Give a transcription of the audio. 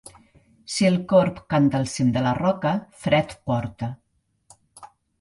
Si el corb canta al cim de la roca, fred porta.